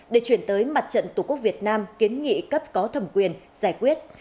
để chuyển tới mặt trận tổ quốc việt nam kiến nghị cấp có thẩm quyền giải quyết